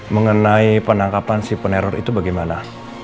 mengenai penangkapan si penerror itu bagaimana